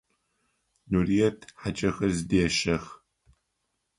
Нурыет хьакӏэхэр зыдещэх.